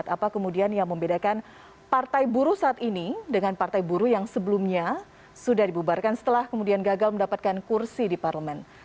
apa kemudian yang membedakan partai buruh saat ini dengan partai buruh yang sebelumnya sudah dibubarkan setelah kemudian gagal mendapatkan kursi di parlemen